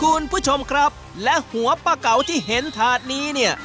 คุณผู้ชมครับและหัวปลาเก๋าที่เห็นถาดนี้เนี่ย